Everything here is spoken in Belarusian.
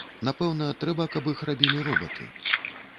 Напэўна, трэба, каб іх рабілі робаты.